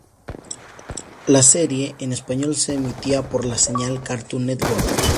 La serie en español se emitía por la señal Cartoon Network.